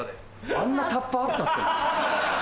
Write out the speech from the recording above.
あんなタッパあったっけ？